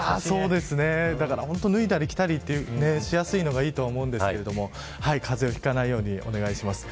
だから脱いだり着たりしやすいのがいいとは思うんですけれども風邪をひかないようにお願いします。